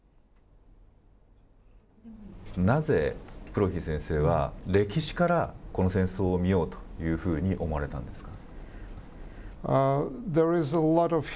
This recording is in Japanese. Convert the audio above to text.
なぜプロヒー先生は歴史から、この戦争を見ようというふうに思われたんですか。